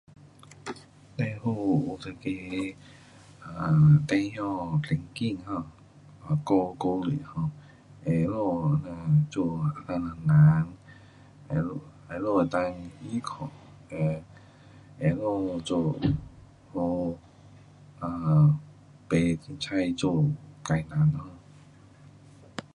最好有一个 um 孩儿，神经 um 顾虑 um 耶稣这样做 um 人，耶稣，耶稣能够依靠。耶，耶稣做好。不随便坐坏人 um。